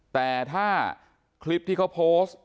แต่ถ้าคลิปที่เขาโพสต์